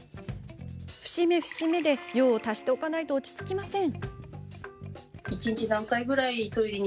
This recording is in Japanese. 節目、節目で用を足しておかないと落ち着きません。